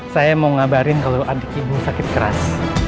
saya mau ngabarin kalau adik ibu sakit keras